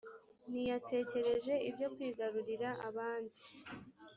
ntiyatekereje ibyo kwigarurira abandi